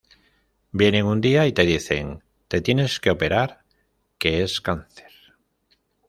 Vienen un día y te dicen: te tienes que operar que es cáncer.